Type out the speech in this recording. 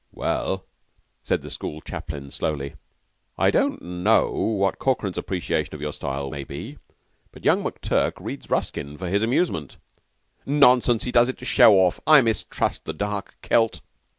"We ell," said the school chaplain slowly, "I don't know what Corkran's appreciation of your style may be, but young McTurk reads Ruskin for his amusement." "Nonsense! He does it to show off. I mistrust the dark Celt."